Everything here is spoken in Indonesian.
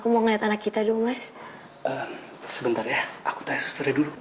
makasih ya sus